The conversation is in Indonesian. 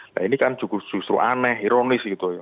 nah ini kan justru aneh ironis gitu